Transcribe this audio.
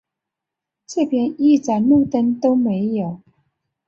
这边一盏路灯都没有